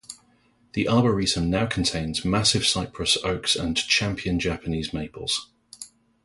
The Arboretum now contains massive cypress, oaks and champion Japanese maples.